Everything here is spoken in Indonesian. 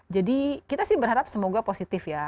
jadi kita sih berharap semoga positif ya